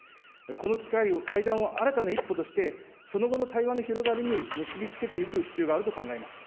この会談を新たな一歩として、その後の対話の広がりに結び付けていく必要があると考えます。